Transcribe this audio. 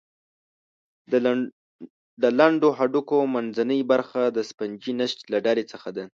د لنډو هډوکو منځنۍ برخه د سفنجي نسج له ډلې څخه ده.